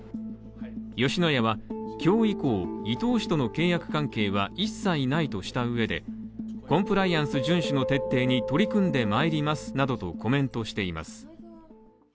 吉野家は今日以降、伊東氏との契約関係は一切ないとした上でコンプライアンス遵守の徹底に取り組んでまいりますなどとコメントしています。